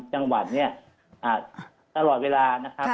สังหวันตลอดเวลา